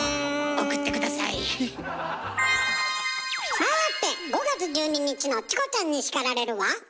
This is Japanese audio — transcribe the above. さて５月１２日の「チコちゃんに叱られる」は？